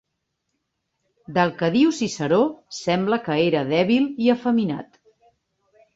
Del que diu Ciceró sembla que era dèbil i efeminat.